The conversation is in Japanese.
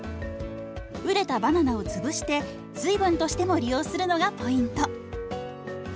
熟れたバナナを潰して水分としても利用するのがポイント。